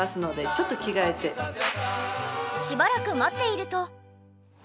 しばらく待っていると。